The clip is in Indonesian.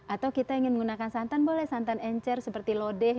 atau kita ingin menggunakan santan boleh santan encer seperti lodeh